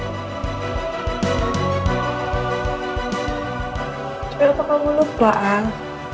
tapi apakah kamu lupa al